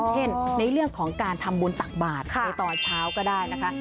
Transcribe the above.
เช่นในเรื่องของการทำบุญตักบาทในตอนเช้าก็ได้นะคะ